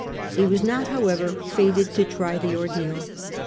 He was not however fated to try the ordeal.